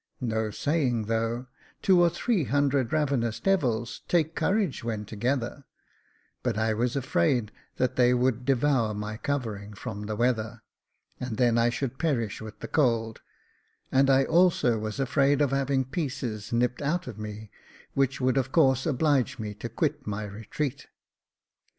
No saying, though ; two or three hundred ravenous devils take courage when together ; but I was afraid that they would devour my covering from the weather, and then I should perish with the cold ; and I also was afraid of having pieces nipped out of me, which would of course oblige me to quit my retreat.